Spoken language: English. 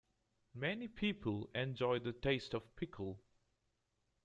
Many people enjoy the taste of pickle.